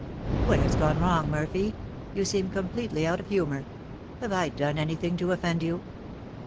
"What has gone wrong, Murphy? You seem completely out of humour. Have I done anything to offend you?"